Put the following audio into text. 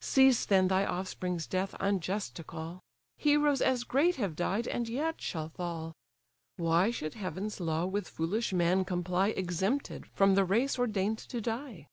Cease then thy offspring's death unjust to call; Heroes as great have died, and yet shall fall. Why should heaven's law with foolish man comply Exempted from the race ordain'd to die?"